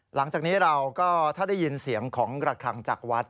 หลังจากนี้เราก็ถ้าได้ยินเสียงของระคังจากวัด